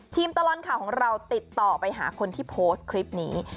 ตลอดข่าวของเราติดต่อไปหาคนที่โพสต์คลิปนี้